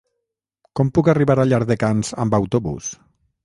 Com puc arribar a Llardecans amb autobús?